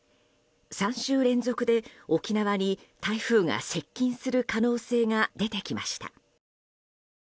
３週連続で、沖縄に台風が接近する可能性が出てきました。